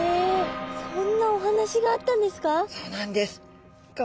そんなお話があったんですか？